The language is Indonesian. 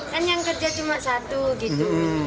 kan yang kerja cuma satu gitu